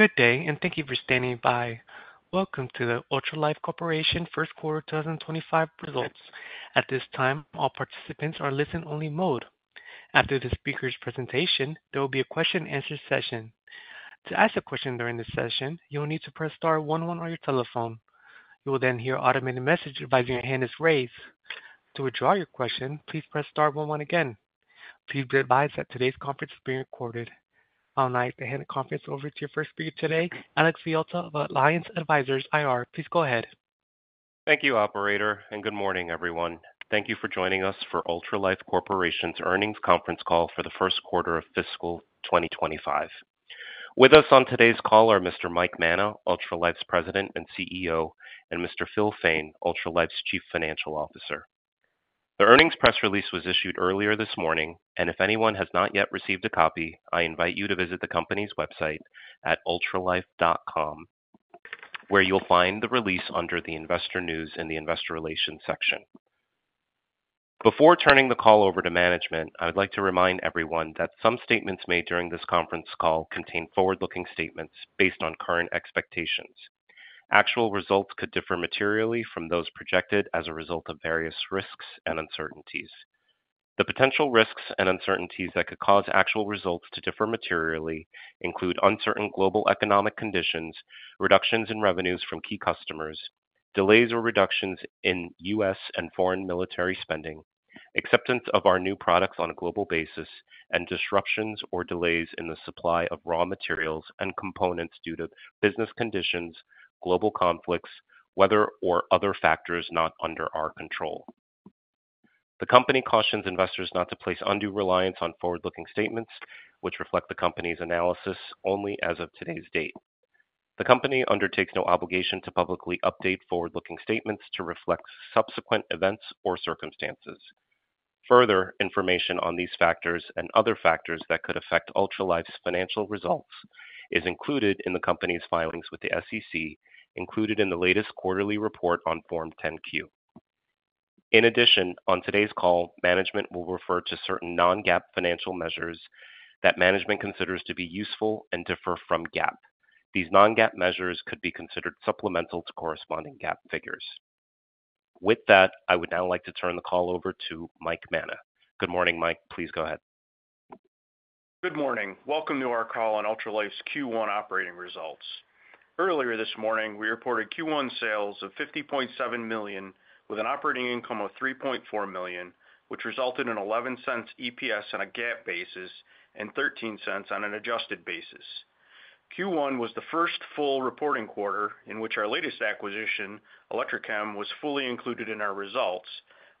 Good day, and thank you for standing by. Welcome to the Ultralife Corporation first quarter 2025 results. At this time, all participants are in listen-only mode. After the speaker's presentation, there will be a question and answer session. To ask a question during this session, you'll need to press star one one on your telephone. You will then hear an automated message advising your hand is raised. To withdraw your question, please press star one one again. Please be advised that today's conference is being recorded. I'll now hand the conference over to your first speaker today, Alex Villalta of Alliance Advisors IR. Please go ahead. Thank you, operator, and good morning, everyone. Thank you for joining us for Ultralife Corporation's earnings conference call for the first quarter of fiscal 2025. With us on today's call are Mr. Mike Manna, Ultralife's President and CEO, and Mr. Phil Fain, Ultralife's Chief Financial Officer. The earnings press release was issued earlier this morning, and if anyone has not yet received a copy, I invite you to visit the company's website at ultralife.com, where you'll find the release under the Investor News and the Investor Relations section. Before turning the call over to management, I would like to remind everyone that some statements made during this conference call contain forward-looking statements based on current expectations. Actual results could differ materially from those projected as a result of various risks and uncertainties. The potential risks and uncertainties that could cause actual results to differ materially include uncertain global economic conditions, reductions in revenues from key customers, delays or reductions in U.S. and foreign military spending, acceptance of our new products on a global basis, and disruptions or delays in the supply of raw materials and components due to business conditions, global conflicts, weather, or other factors not under our control. The company cautions investors not to place undue reliance on forward-looking statements, which reflect the company's analysis only as of today's date. The company undertakes no obligation to publicly update forward-looking statements to reflect subsequent events or circumstances. Further information on these factors and other factors that could affect Ultralife's financial results is included in the company's filings with the SEC, included in the latest quarterly report on Form 10-Q. In addition, on today's call, management will refer to certain non-GAAP financial measures that management considers to be useful and differ from GAAP. These non-GAAP measures could be considered supplemental to corresponding GAAP figures. With that, I would now like to turn the call over to Mike Manna. Good morning, Mike. Please go ahead. Good morning. Welcome to our call on Ultralife's Q1 operating results. Earlier this morning, we reported Q1 sales of $50.7 million with an operating income of $3.4 million, which resulted in $0.11 EPS on a GAAP basis and $0.13 on an adjusted basis. Q1 was the first full reporting quarter in which our latest acquisition, Electrochem, was fully included in our results.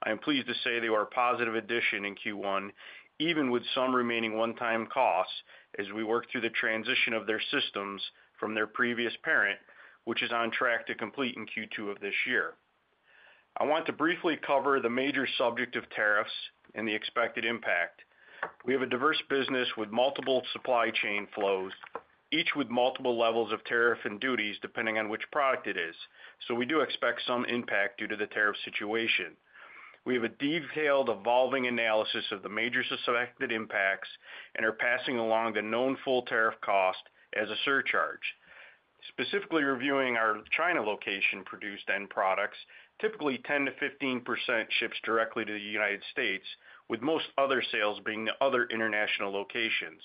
I am pleased to say they were a positive addition in Q1, even with some remaining one-time costs as we worked through the transition of their systems from their previous parent, which is on track to complete in Q2 of this year. I want to briefly cover the major subject of tariffs and the expected impact. We have a diverse business with multiple supply chain flows, each with multiple levels of tariff and duties depending on which product it is, so we do expect some impact due to the tariff situation. We have a detailed evolving analysis of the major suspected impacts and are passing along the known full tariff cost as a surcharge, specifically reviewing our China location-produced end products, typically 10-15% ships directly to the United States, with most other sales being to other international locations.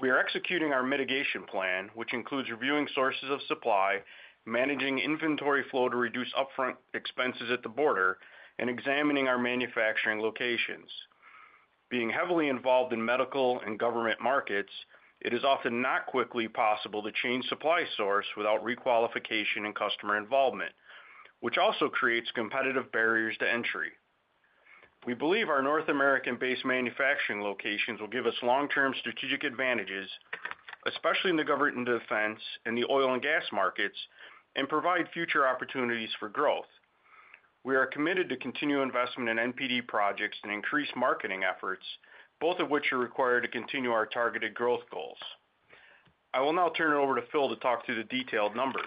We are executing our mitigation plan, which includes reviewing sources of supply, managing inventory flow to reduce upfront expenses at the border, and examining our manufacturing locations. Being heavily involved in medical and government markets, it is often not quickly possible to change supply source without requalification and customer involvement, which also creates competitive barriers to entry. We believe our North American-based manufacturing locations will give us long-term strategic advantages, especially in the government and defense and the oil and gas markets, and provide future opportunities for growth. We are committed to continued investment in NPD projects and increased marketing efforts, both of which are required to continue our targeted growth goals. I will now turn it over to Phil to talk through the detailed numbers.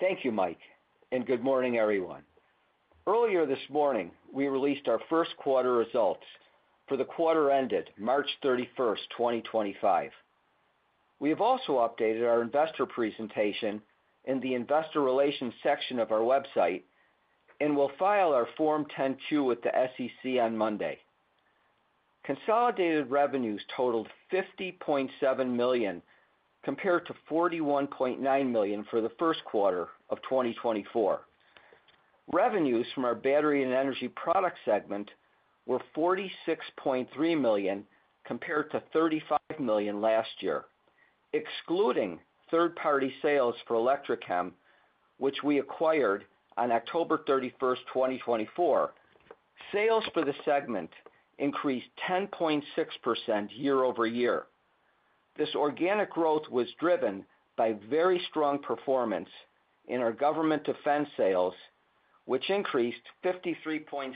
Thank you, Mike, and good morning, everyone. Earlier this morning, we released our first quarter results for the quarter ended March 31, 2025. We have also updated our investor presentation in the Investor Relations section of our website and will file our Form 10-Q with the SEC on Monday. Consolidated revenues totaled $50.7 million compared to $41.9 million for the first quarter of 2024. Revenues from our battery and energy product segment were $46.3 million compared to $35 million last year. Excluding third-party sales for Electrochem, which we acquired on October 31, 2024, sales for the segment increased 10.6% year-over-year. This organic growth was driven by very strong performance in our government defense sales, which increased 53.6%,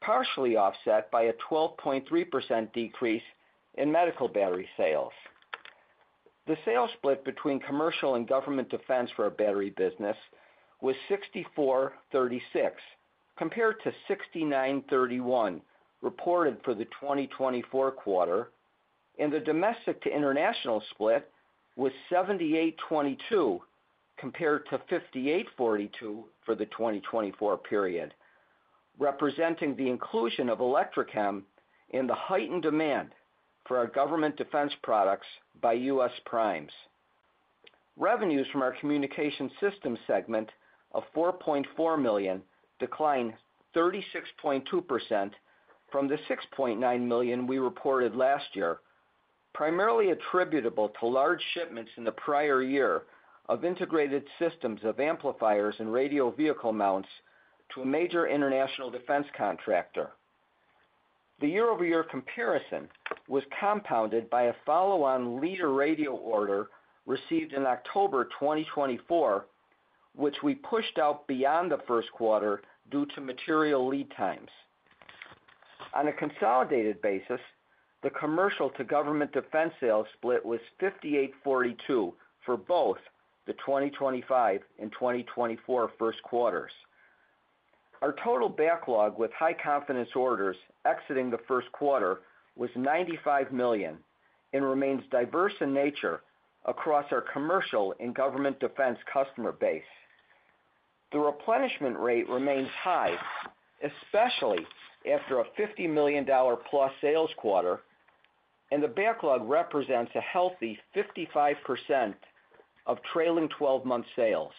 partially offset by a 12.3% decrease in medical battery sales. The sales split between commercial and government defense for our battery business was $64.36 compared to $69.31 reported for the 2024 quarter, and the domestic to international split was $78.22 compared to $58.42 for the 2024 period, representing the inclusion of Electrochem in the heightened demand for our government defense products by U.S. primes. Revenues from our communication systems segment of $4.4 million declined 36.2% from the $6.9 million we reported last year, primarily attributable to large shipments in the prior year of integrated systems of amplifiers and radio vehicle mounts to a major international defense contractor. The year-over-year comparison was compounded by a follow-on Leader Radio order received in October 2024, which we pushed out beyond the first quarter due to material lead times. On a consolidated basis, the commercial to government defense sales split was $58.42 for both the 2025 and 2024 first quarters. Our total backlog with high confidence orders exiting the first quarter was $95 million and remains diverse in nature across our commercial and government defense customer base. The replenishment rate remains high, especially after a $50 million-plus sales quarter, and the backlog represents a healthy 55% of trailing 12-month sales.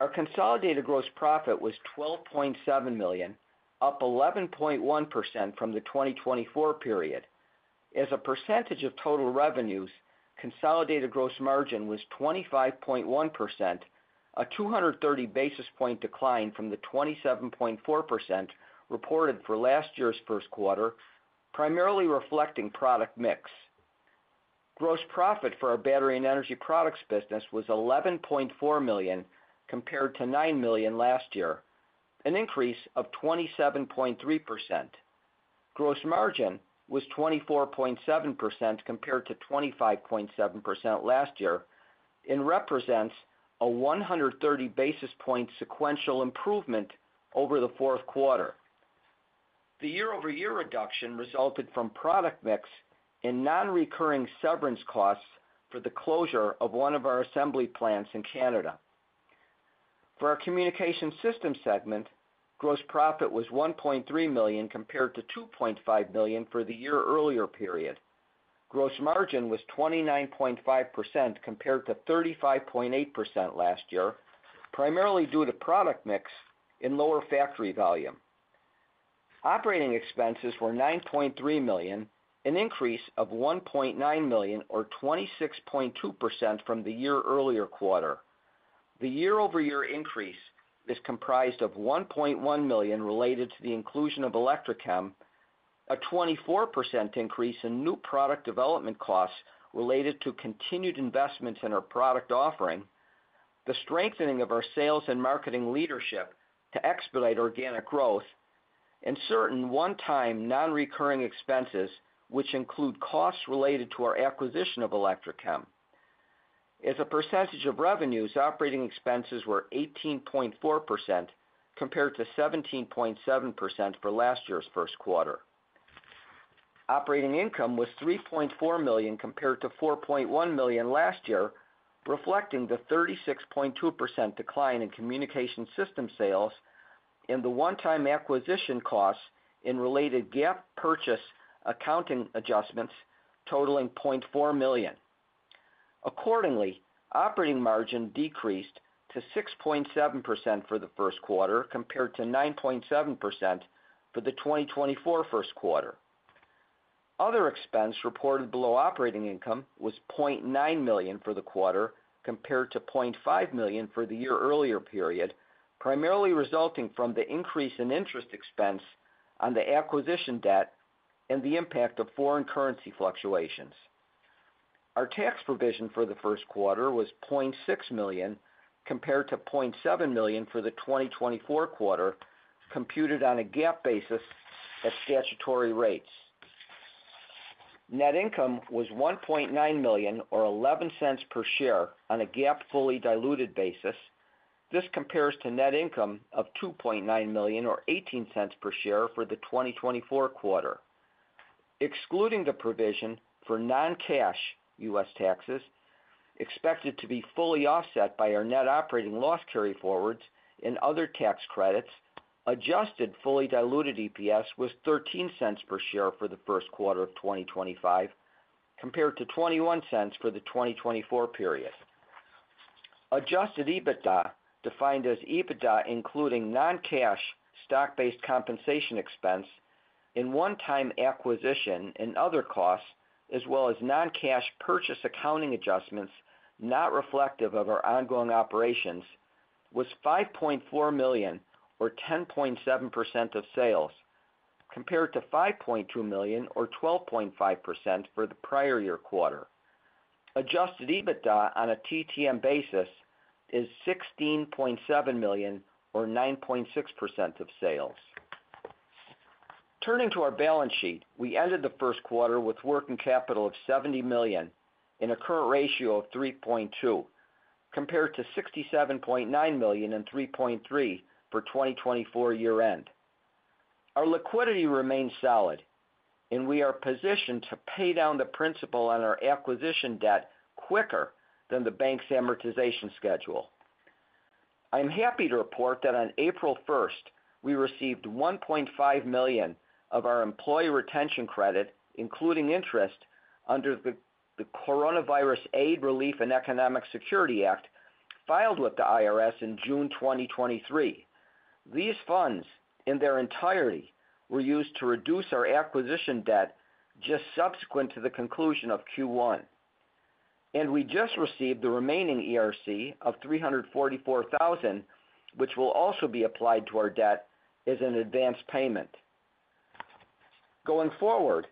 Our consolidated gross profit was $12.7 million, up 11.1% from the 2024 period. As a percentage of total revenues, consolidated gross margin was 25.1%, a 230-basis point decline from the 27.4% reported for last year's first quarter, primarily reflecting product mix. Gross profit for our battery and energy products business was $11.4 million compared to $9 million last year, an increase of 27.3%. Gross margin was 24.7% compared to 25.7% last year and represents a 130-basis point sequential improvement over the fourth quarter. The year-over-year reduction resulted from product mix and non-recurring severance costs for the closure of one of our assembly plants in Canada. For our communication systems segment, gross profit was $1.3 million compared to $2.5 million for the year-earlier period. Gross margin was 29.5% compared to 35.8% last year, primarily due to product mix and lower factory volume. Operating expenses were $9.3 million, an increase of $1.9 million or 26.2% from the year-earlier quarter. The year-over-year increase is comprised of $1.1 million related to the inclusion of Electrochem, a 24% increase in new product development costs related to continued investments in our product offering, the strengthening of our sales and marketing leadership to expedite organic growth, and certain one-time non-recurring expenses, which include costs related to our acquisition of Electrochem. As a percentage of revenues, operating expenses were 18.4% compared to 17.7% for last year's first quarter. Operating income was $3.4 million compared to $4.1 million last year, reflecting the 36.2% decline in communication systems sales and the one-time acquisition costs and related GAAP purchase accounting adjustments totaling $0.4 million. Accordingly, operating margin decreased to 6.7% for the first quarter compared to 9.7% for the 2024 first quarter. Other expense reported below operating income was $0.9 million for the quarter compared to $0.5 million for the year-earlier period, primarily resulting from the increase in interest expense on the acquisition debt and the impact of foreign currency fluctuations. Our tax provision for the first quarter was $0.6 million compared to $0.7 million for the 2024 quarter, computed on a GAAP basis at statutory rates. Net income was $1.9 million or $0.11 per share on a GAAP fully diluted basis. This compares to net income of $2.9 million or $0.18 per share for the 2024 quarter. Excluding the provision for non-cash U.S. taxes, expected to be fully offset by our net operating loss carryforwards and other tax credits, adjusted fully diluted EPS was $0.13 per share for the first quarter of 2025 compared to $0.21 for the 2024 period. Adjusted EBITDA, defined as EBITDA including non-cash stock-based compensation expense and one-time acquisition and other costs, as well as non-cash purchase accounting adjustments not reflective of our ongoing operations, was $5.4 million or 10.7% of sales, compared to $5.2 million or 12.5% for the prior year quarter. Adjusted EBITDA on a TTM basis is $16.7 million or 9.6% of sales. Turning to our balance sheet, we ended the first quarter with working capital of $70 million and a current ratio of 3.2, compared to $67.9 million and 3.3 for 2024 year-end. Our liquidity remains solid, and we are positioned to pay down the principal on our acquisition debt quicker than the bank's amortization schedule. I am happy to report that on April 1st, we received $1.5 million of our employee retention credit, including interest, under the Coronavirus Aid, Relief, and Economic Security Act filed with the IRS in June 2023. These funds, in their entirety, were used to reduce our acquisition debt just subsequent to the conclusion of Q1. We just received the remaining ERC of $344,000, which will also be applied to our debt as an advance payment. Going forward,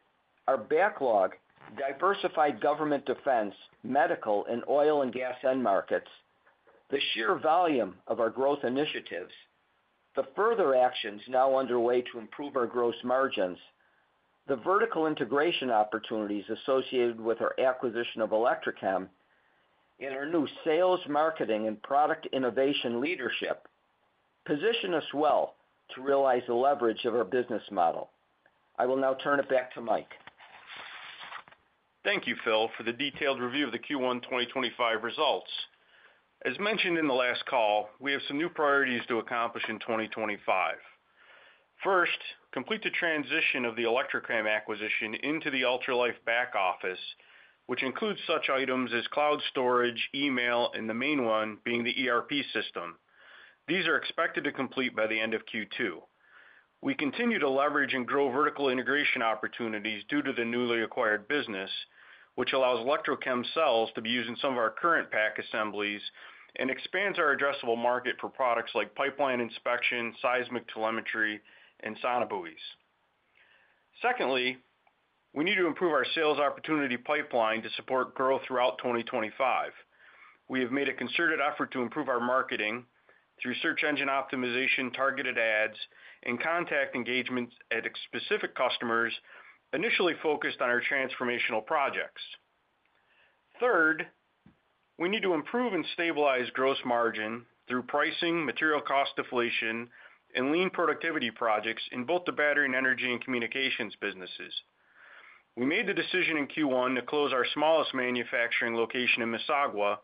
our backlog diversified government defense, medical, and oil and gas end markets, the sheer volume of our growth initiatives, the further actions now underway to improve our gross margins, the vertical integration opportunities associated with our acquisition of Electrochem, and our new sales, marketing, and product innovation leadership position us well to realize the leverage of our business model. I will now turn it back to Mike. Thank you, Phil, for the detailed review of the Q1 2025 results. As mentioned in the last call, we have some new priorities to accomplish in 2025. First, complete the transition of the Electrochem acquisition into the Ultralife back office, which includes such items as cloud storage, email, and the main one being the ERP system. These are expected to complete by the end of Q2. We continue to leverage and grow vertical integration opportunities due to the newly acquired business, which allows Electrochem cells to be used in some of our current pack assemblies and expands our addressable market for products like pipeline inspection, seismic telemetry, and sonobuoys. Secondly, we need to improve our sales opportunity pipeline to support growth throughout 2025. We have made a concerted effort to improve our marketing through search engine optimization, targeted ads, and contact engagements at specific customers, initially focused on our transformational projects. Third, we need to improve and stabilize gross margin through pricing, material cost deflation, and lean productivity projects in both the battery and energy and communications businesses. We made the decision in Q1 to close our smallest manufacturing location in Mississauga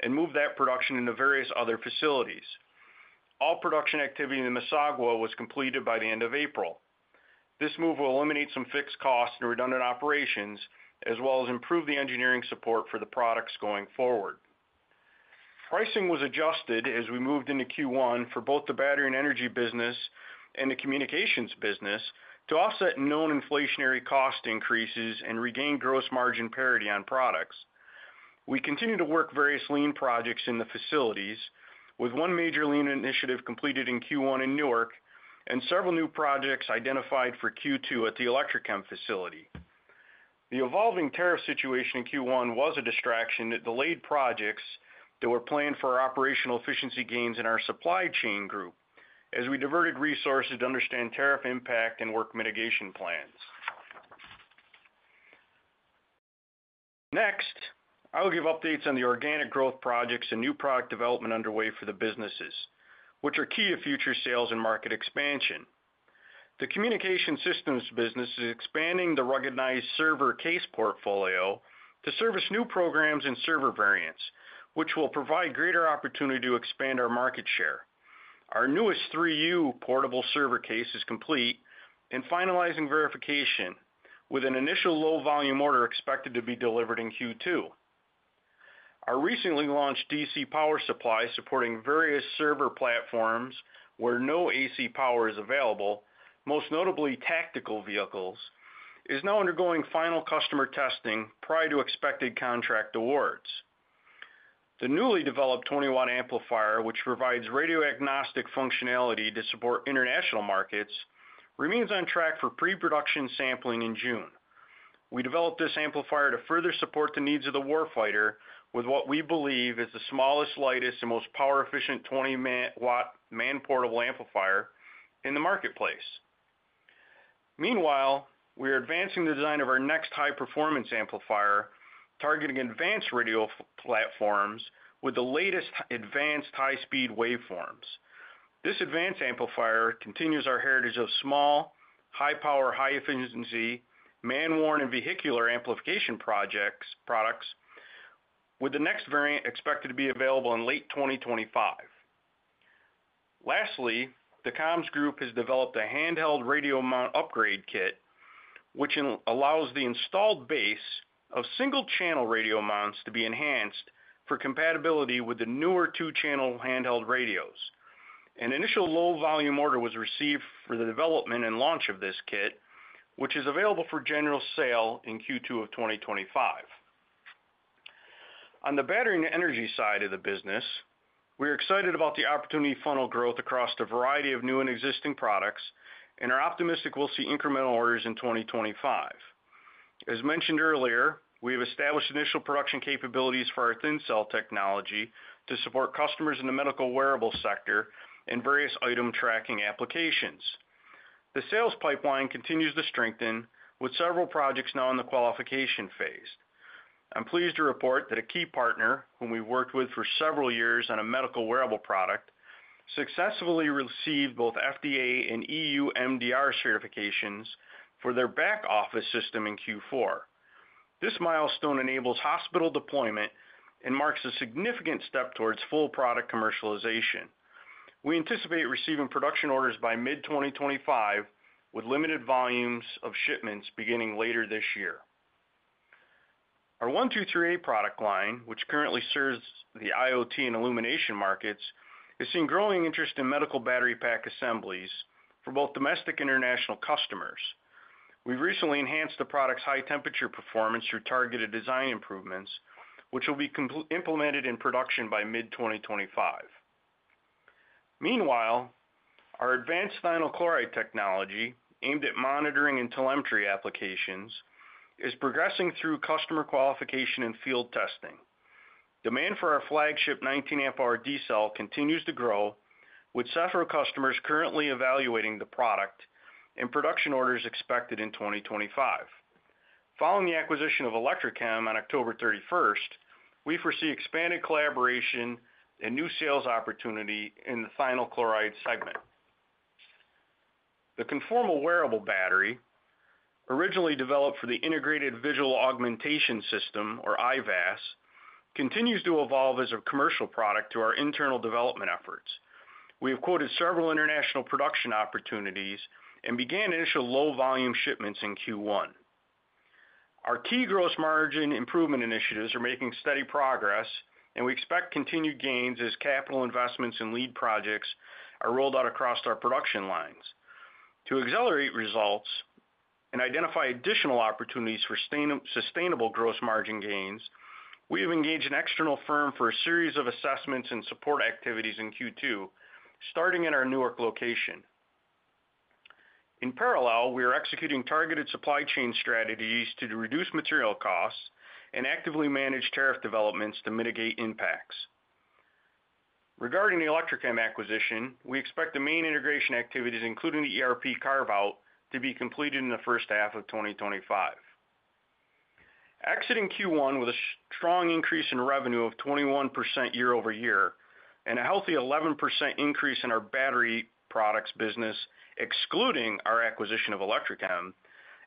and move that production into various other facilities. All production activity in Mississauga was completed by the end of April. This move will eliminate some fixed costs and redundant operations, as well as improve the engineering support for the products going forward. Pricing was adjusted as we moved into Q1 for both the battery and energy business and the communications business to offset known inflationary cost increases and regain gross margin parity on products. We continue to work various lean projects in the facilities, with one major lean initiative completed in Q1 in Newark and several new projects identified for Q2 at the Electrochem facility. The evolving tariff situation in Q1 was a distraction that delayed projects that were planned for operational efficiency gains in our supply chain group as we diverted resources to understand tariff impact and work mitigation plans. Next, I will give updates on the organic growth projects and new product development underway for the businesses, which are key to future sales and market expansion. The communication systems business is expanding the ruggedized server case portfolio to service new programs and server variants, which will provide greater opportunity to expand our market share. Our newest 3U portable server case is complete and finalizing verification, with an initial low volume order expected to be delivered in Q2. Our recently launched DC power supply supporting various server platforms where no AC power is available, most notably tactical vehicles, is now undergoing final customer testing prior to expected contract awards. The newly developed 20-watt amplifier, which provides radio-agnostic functionality to support international markets, remains on track for pre-production sampling in June. We developed this amplifier to further support the needs of the war fighter with what we believe is the smallest, lightest, and most power-efficient 20-watt man-portable amplifier in the marketplace. Meanwhile, we are advancing the design of our next high-performance amplifier targeting advanced radio platforms with the latest advanced high-speed waveforms. This advanced amplifier continues our heritage of small, high-power, high-efficiency, man-borne, and vehicular amplification products, with the next variant expected to be available in late 2025. Lastly, the Comms Group has developed a handheld radio mount upgrade kit, which allows the installed base of single-channel radio mounts to be enhanced for compatibility with the newer two-channel handheld radios. An initial low volume order was received for the development and launch of this kit, which is available for general sale in Q2 of 2025. On the battery and energy side of the business, we are excited about the opportunity funnel growth across the variety of new and existing products and are optimistic we'll see incremental orders in 2025. As mentioned earlier, we have established initial production capabilities for our thin cell technology to support customers in the medical wearable sector and various item tracking applications. The sales pipeline continues to strengthen, with several projects now in the qualification phase. I'm pleased to report that a key partner, whom we've worked with for several years on a medical wearable product, successfully received both FDA and EU MDR certifications for their back-office system in Q4. This milestone enables hospital deployment and marks a significant step towards full product commercialization. We anticipate receiving production orders by mid-2025, with limited volumes of shipments beginning later this year. Our 123A product line, which currently serves the IoT and illumination markets, has seen growing interest in medical battery pack assemblies for both domestic and international customers. We've recently enhanced the product's high-temperature performance through targeted design improvements, which will be implemented in production by mid-2025. Meanwhile, our advanced thionyl chloride technology, aimed at monitoring and telemetry applications, is progressing through customer qualification and field testing. Demand for our flagship 19 amp-hour D cell continues to grow, with several customers currently evaluating the product and production orders expected in 2025. Following the acquisition of Electrochem on October 31, we foresee expanded collaboration and new sales opportunity in the thionyl chloride segment. The conformal wearable battery, originally developed for the Integrated Visual Augmentation System, or IVAS, continues to evolve as a commercial product to our internal development efforts. We have quoted several international production opportunities and began initial low volume shipments in Q1. Our key gross margin improvement initiatives are making steady progress, and we expect continued gains as capital investments and lead projects are rolled out across our production lines. To accelerate results and identify additional opportunities for sustainable gross margin gains, we have engaged an external firm for a series of assessments and support activities in Q2, starting at our Newark location. In parallel, we are executing targeted supply chain strategies to reduce material costs and actively manage tariff developments to mitigate impacts. Regarding the Electrochem acquisition, we expect the main integration activities, including the ERP carve-out, to be completed in the first half of 2025. Exiting Q1 with a strong increase in revenue of 21% year-over-year and a healthy 11% increase in our battery products business, excluding our acquisition of Electrochem,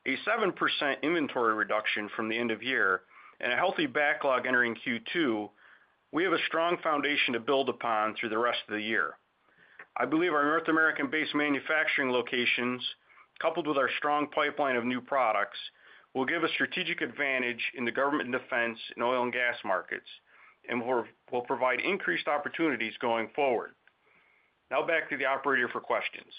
a 7% inventory reduction from the end of year, and a healthy backlog entering Q2, we have a strong foundation to build upon through the rest of the year. I believe our North American-based manufacturing locations, coupled with our strong pipeline of new products, will give a strategic advantage in the government defense and oil and gas markets and will provide increased opportunities going forward. Now, back to the operator for questions.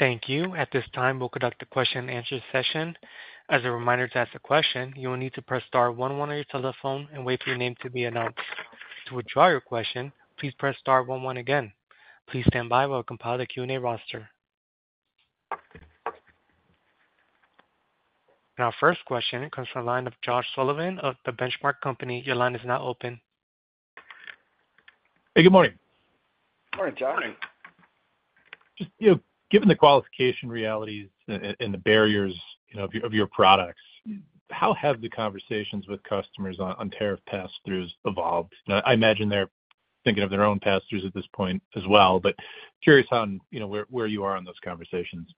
Thank you. At this time, we'll conduct a question and answer session. As a reminder to ask a question, you will need to press star one one on your telephone and wait for your name to be announced. To withdraw your question, please press star one one again. Please stand by while I compile the Q&A roster. Our first question comes from the line of Josh Sullivan of The Benchmark Company. Your line is now open. Hey, good morning. Morning, Josh. Morning. Given the qualification realities and the barriers of your products, how have the conversations with customers on tariff pass-throughs evolved? I imagine they're thinking of their own pass-throughs at this point as well, but curious on where you are on those conversations.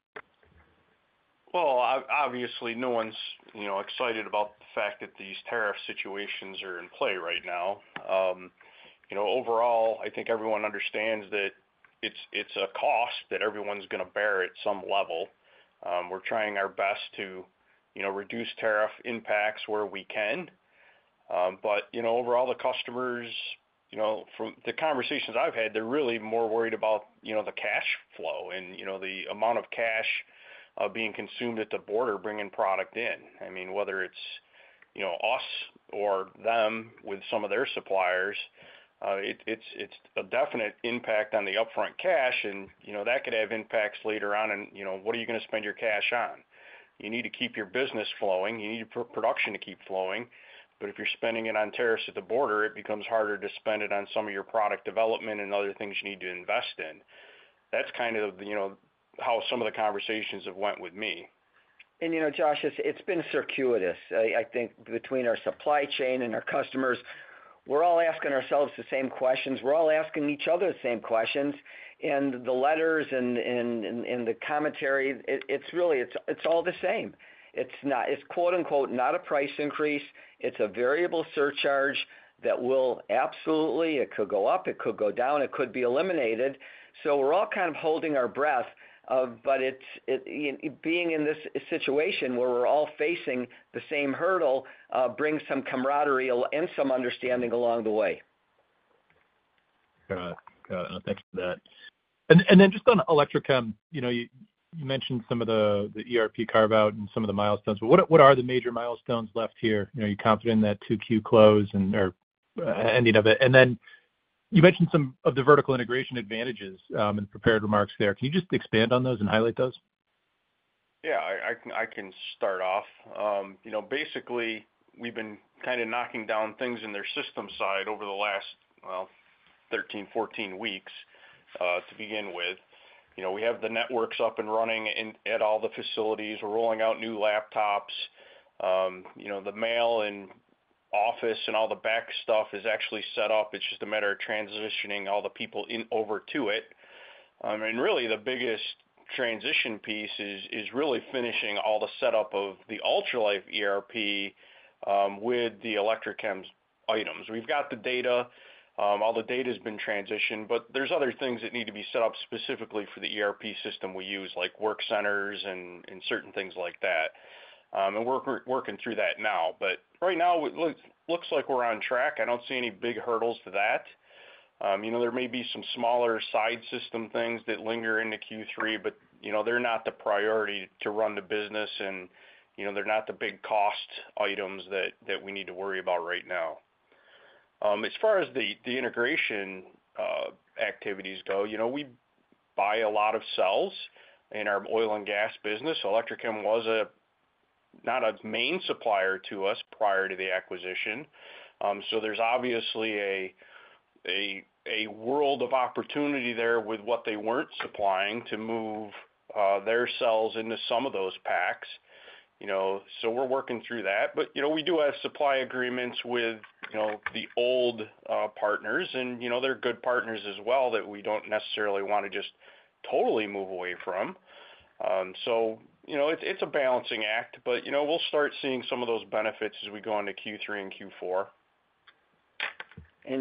Obviously, no one's excited about the fact that these tariff situations are in play right now. Overall, I think everyone understands that it's a cost that everyone's going to bear at some level. We're trying our best to reduce tariff impacts where we can. Overall, the customers, from the conversations I've had, they're really more worried about the cash flow and the amount of cash being consumed at the border bringing product in. I mean, whether it's us or them with some of their suppliers, it's a definite impact on the upfront cash, and that could have impacts later on on what are you going to spend your cash on. You need to keep your business flowing. You need your production to keep flowing. If you're spending it on tariffs at the border, it becomes harder to spend it on some of your product development and other things you need to invest in. That's kind of how some of the conversations have went with me. Josh, it's been circuitous, I think, between our supply chain and our customers. We're all asking ourselves the same questions. We're all asking each other the same questions. The letters and the commentary, it's really all the same. It's "not a price increase." It's a variable surcharge that will absolutely—it could go up, it could go down, it could be eliminated. We're all kind of holding our breath, but being in this situation where we're all facing the same hurdle brings some camaraderie and some understanding along the way. Got it. Got it. Thanks for that. And then just on Electrochem, you mentioned some of the ERP carve-out and some of the milestones, but what are the major milestones left here? You're confident in that 2Q close and/or ending of it. And then you mentioned some of the vertical integration advantages and prepared remarks there. Can you just expand on those and highlight those? Yeah, I can start off. Basically, we've been kind of knocking down things in their system side over the last 13, 14 weeks to begin with. We have the networks up and running at all the facilities. We're rolling out new laptops. The mail and office and all the back stuff is actually set up. It's just a matter of transitioning all the people over to it. Really, the biggest transition piece is really finishing all the setup of the Ultralife ERP with the Electrochem's items. We've got the data. All the data has been transitioned, but there's other things that need to be set up specifically for the ERP system we use, like work centers and certain things like that. We're working through that now. Right now, it looks like we're on track. I don't see any big hurdles to that. There may be some smaller side system things that linger into Q3, but they're not the priority to run the business, and they're not the big cost items that we need to worry about right now. As far as the integration activities go, we buy a lot of cells in our oil and gas business. Electrochem was not a main supplier to us prior to the acquisition. So there's obviously a world of opportunity there with what they weren't supplying to move their cells into some of those packs. So we're working through that. But we do have supply agreements with the old partners, and they're good partners as well that we don't necessarily want to just totally move away from. So it's a balancing act, but we'll start seeing some of those benefits as we go into Q3 and Q4.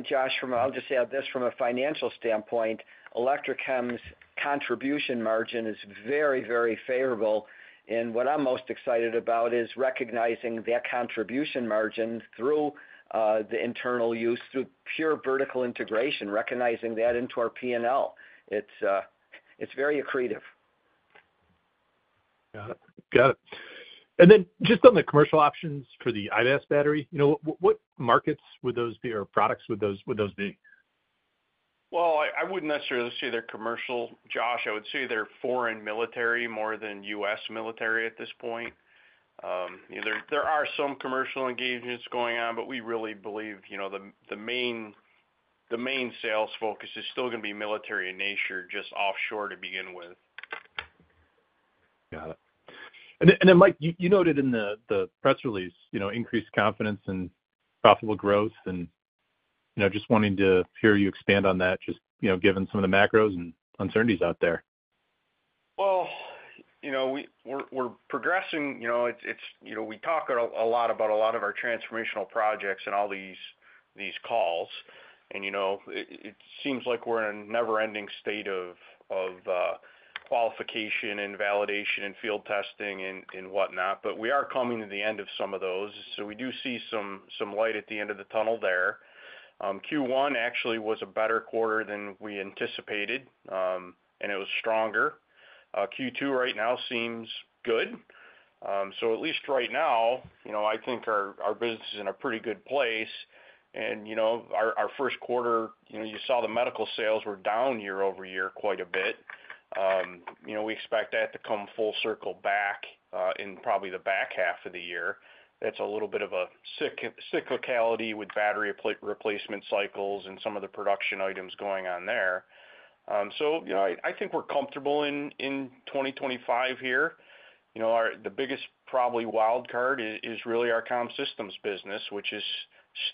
Josh, I'll just add this from a financial standpoint. Electrochem's contribution margin is very, very favorable. What I'm most excited about is recognizing their contribution margin through the internal use through pure vertical integration, recognizing that into our P&L. It's very accretive. Got it. Got it. And then just on the commercial options for the IVAS battery, what markets would those be or products would those be? I would not necessarily say they are commercial, Josh. I would say they are foreign military more than U.S. military at this point. There are some commercial engagements going on, but we really believe the main sales focus is still going to be military in nature, just offshore to begin with. Got it. Mike, you noted in the press release, increased confidence in profitable growth. Just wanting to hear you expand on that, just given some of the macros and uncertainties out there. We are progressing. We talk a lot about a lot of our transformational projects on all these calls. It seems like we are in a never-ending state of qualification and validation and field testing and whatnot, but we are coming to the end of some of those. We do see some light at the end of the tunnel there. Q1 actually was a better quarter than we anticipated, and it was stronger. Q2 right now seems good. At least right now, I think our business is in a pretty good place. In our first quarter, you saw the medical sales were down year over year quite a bit. We expect that to come full circle back in probably the back half of the year. That is a little bit of a cyclicality with battery replacement cycles and some of the production items going on there. I think we're comfortable in 2025 here. The biggest probably wildcard is really our comm systems business, which has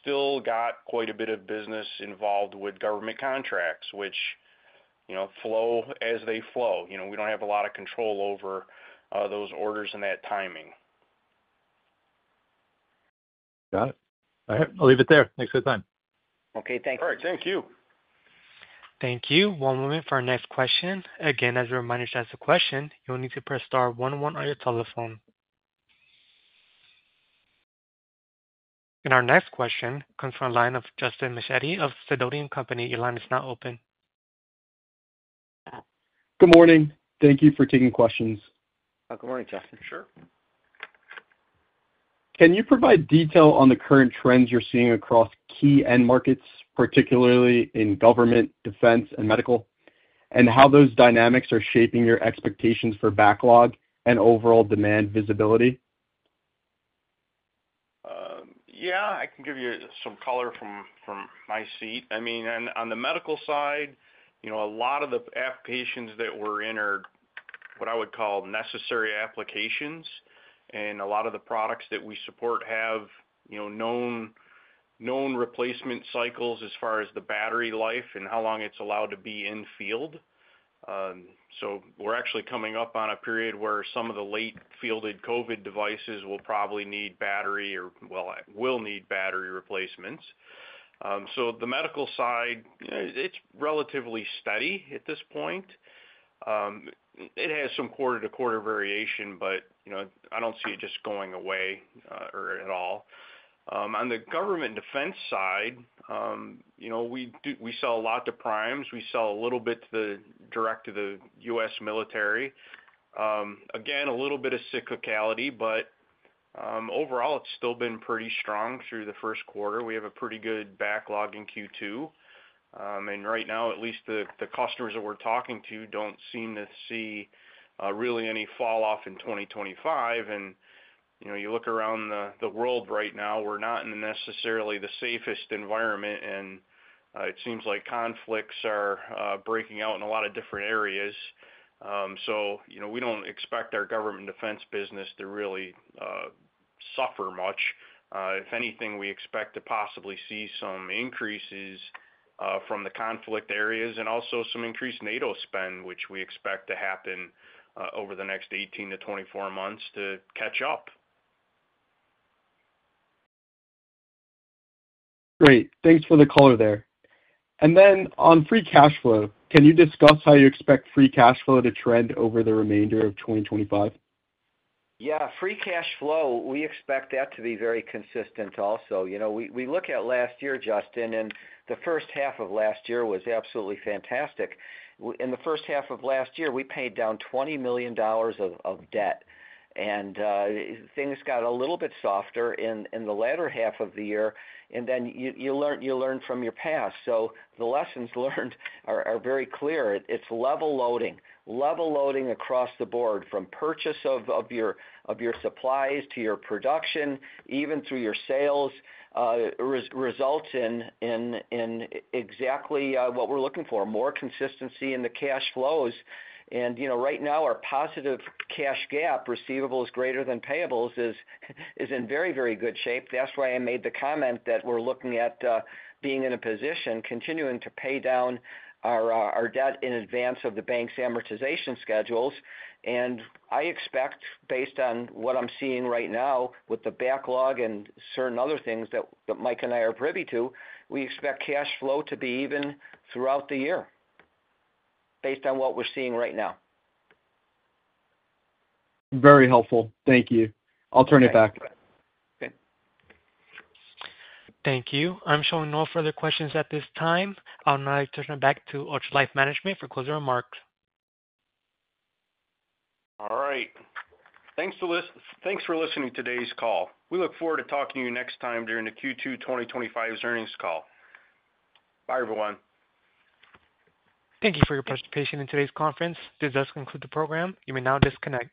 still got quite a bit of business involved with government contracts, which flow as they flow. We don't have a lot of control over those orders and that timing. Got it. I'll leave it there. Thanks for your time. Okay. Thank you. All right. Thank you. Thank you. One moment for our next question. Again, as a reminder, to ask a question, you'll need to press star one one on your telephone. Our next question comes from the line of Justin Mechetti of Sidoti & Company. Your line is now open. Good morning. Thank you for taking questions. Good morning, Justin. Sure. Can you provide detail on the current trends you're seeing across key end markets, particularly in government, defense, and medical, and how those dynamics are shaping your expectations for backlog and overall demand visibility? Yeah, I can give you some color from my seat. I mean, on the medical side, a lot of the applications that we're in are what I would call necessary applications. And a lot of the products that we support have known replacement cycles as far as the battery life and how long it's allowed to be in field. So we're actually coming up on a period where some of the late-fielded COVID devices will probably need battery or, well, will need battery replacements. So the medical side, it's relatively steady at this point. It has some quarter-to-quarter variation, but I don't see it just going away at all. On the government defense side, we sell a lot to primes. We sell a little bit direct to the U.S. military. Again, a little bit of cyclicality, but overall, it's still been pretty strong through the first quarter. We have a pretty good backlog in Q2. Right now, at least the customers that we're talking to do not seem to see really any falloff in 2025. You look around the world right now, we're not in necessarily the safest environment, and it seems like conflicts are breaking out in a lot of different areas. We do not expect our government defense business to really suffer much. If anything, we expect to possibly see some increases from the conflict areas and also some increased NATO spend, which we expect to happen over the next 18-24 months to catch up. Great. Thanks for the color there. Can you discuss how you expect free cash flow to trend over the remainder of 2025? Yeah. Free cash flow, we expect that to be very consistent also. We look at last year, Justin, and the first half of last year was absolutely fantastic. In the first half of last year, we paid down $20 million of debt. Things got a little bit softer in the latter half of the year. You learn from your past. The lessons learned are very clear. It's level loading. Level loading across the board, from purchase of your supplies to your production, even through your sales, results in exactly what we're looking for: more consistency in the cash flows. Right now, our positive cash gap, receivables greater than payables, is in very, very good shape. That's why I made the comment that we're looking at being in a position, continuing to pay down our debt in advance of the bank's amortization schedules. I expect, based on what I'm seeing right now with the backlog and certain other things that Mike and I are privy to, we expect cash flow to be even throughout the year based on what we're seeing right now. Very helpful. Thank you. I'll turn it back. Okay. Thank you. I'm showing no further questions at this time. I'll now turn it back to Ultralife management for closing remarks. All right. Thanks for listening to today's call. We look forward to talking to you next time during the Q2 2025 earnings call. Bye, everyone. Thank you for your participation in today's conference. This does conclude the program. You may now disconnect.